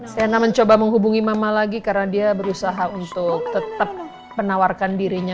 sena mencoba menghubungi mama lagi karena dia berusaha untuk tetap menawarkan dirinya